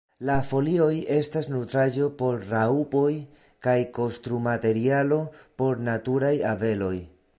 La folioj estas nutraĵo por raŭpoj kaj konstrumaterialo por naturaj abeloj.